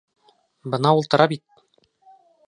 Бына ултыра бит!